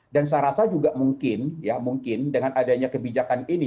dan saya rasa juga mungkin dengan adanya kebijakan ini